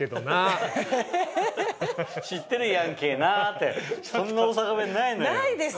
「知ってんやんけどな」ってそんな大阪弁ないのよ。